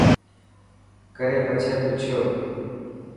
ڪري پڇي پڇيو .